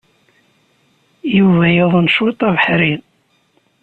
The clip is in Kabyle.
Yuba yuḍen cwiṭ abeḥri.